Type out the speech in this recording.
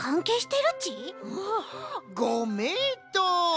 ごめいとう！